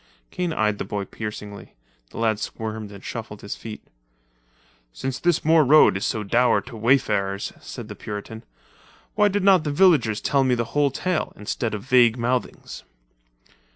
Kane eyed the boy piercingly. The lad squirmed and shuffled his feet. "Since this moor road is so dour to wayfarers," said the Puritan, "why did not the villagers tell me the whole tale, instead of vague mouthings?"